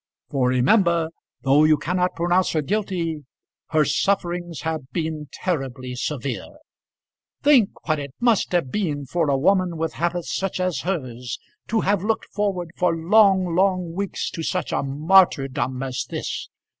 For remember, though you cannot pronounce her guilty, her sufferings have been terribly severe. Think what it must have been for a woman with habits such as hers, to have looked forward for long, long weeks to such a martyrdom as this!